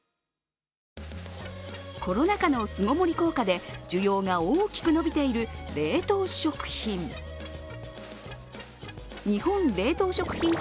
コロナ禍の巣ごもり効果で需要が大きく伸びている冷凍食品。